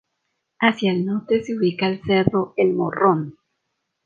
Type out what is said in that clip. Hacia el Norte se ubica el Cerro El Morrón.